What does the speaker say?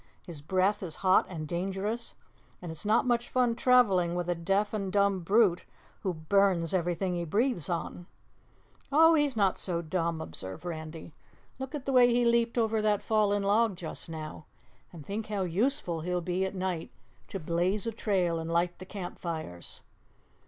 His breath is hot and dangerous, and it's not much fun traveling with a deaf and dumb brute who burns everything he breathes on." "Oh, he's not so dumb," observed Randy. "Look at the way he leaped over that fallen log just now, and think how useful he'll be at night to blaze a trail and light the camp fires."